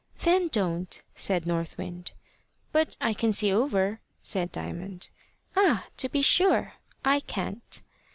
"Then don't," said North Wind. "But I can see over," said Diamond. "Ah! to be sure. I can't."